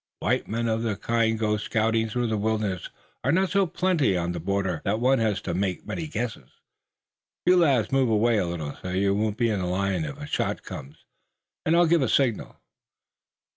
White men of the kind to go scouting through the wilderness are not so plenty on the border that one has to make many guesses. You lads move away a little so you won't be in line if a shot comes, and I'll give a signal."